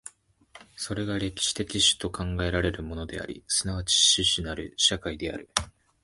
それが歴史的種と考えられるものであり、即ち種々なる社会である。